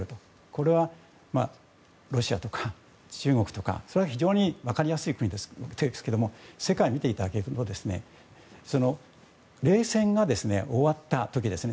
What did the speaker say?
これはロシアとか中国とか非常に分かりやすい国ですけど世界を見ていただけると冷戦が終わった時ですね